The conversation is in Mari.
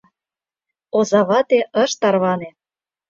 Озавате ыш тарване.